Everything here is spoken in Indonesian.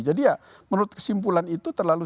jadi ya menurut kesimpulan itu terlalu